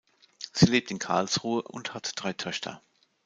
Sie lebt in Karlsruhe und hat drei Töchter.